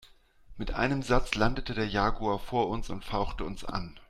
Mit einem Satz landete der Jaguar vor uns und fauchte uns an.